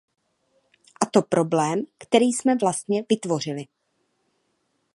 A to problém, který jsme vlastně vytvořili.